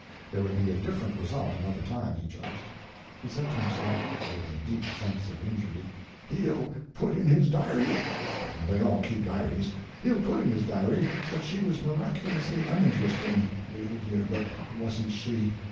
There would be a different result another time, he judged. He said to himself, with a deep sense of injury, "He'll put in his diary—they all keep diaries—he'll put in his diary that she was miraculously uninteresting—dear, dear, but wasn't she!